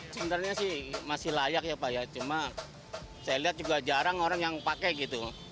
sebenarnya masih layak tapi saya lihat jarang orang yang pakai